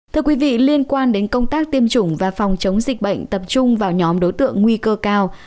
thưa quý vị liên quan đến công tác tiêm chủng và phòng chống dịch bệnh tập trung vào nhóm đối tượng nguy cơ cao